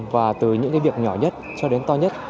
và từ những cái việc nhỏ nhất cho đến to nhất